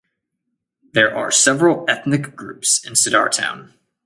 There are several ethnic groups in Saddar Town.